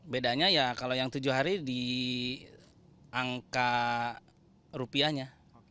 bedanya ya kalau yang tujuh hari di angka rupiahnya